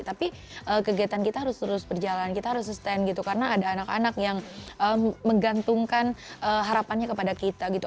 tapi kegiatan kita harus terus berjalan kita harus sustain gitu karena ada anak anak yang menggantungkan harapannya kepada kita gitu